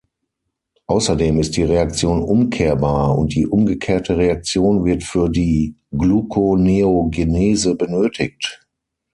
Außerdem ist die Reaktion umkehrbar, und die umgekehrte Reaktion wird für die Gluconeogenese benötigt.